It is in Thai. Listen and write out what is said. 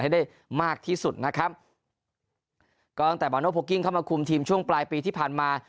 ให้ได้มากที่สุดนะครับก็ต่อมาคุมทีมช่วงปลายปีที่ผ่านมา